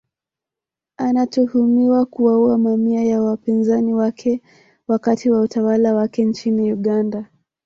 Anatuhumiwa kuwaua mamia ya wapinzani wake wakati wa utawala wake nchini Uganda